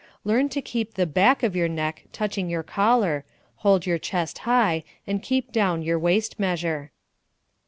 Learn to keep the back of your neck touching your collar, hold your chest high, and keep down your waist measure.